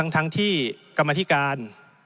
ทั้งที่กรรมธิการ